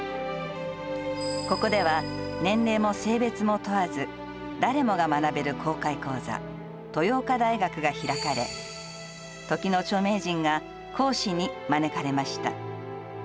ここでは年齢も性別も問わず誰もが学べる公開講座、豊岡大学が開かれ時の著名人が講師に招かれました。